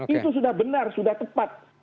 itu sudah benar sudah tepat